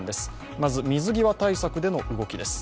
まず水際対策での動きです。